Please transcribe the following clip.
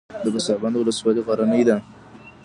د پسابند ولسوالۍ غرنۍ ده